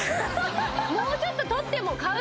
もうちょっと取っても買う！